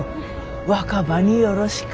若葉によろしく。